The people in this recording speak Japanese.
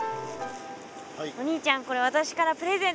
お兄ちゃんこれ私からプレゼント。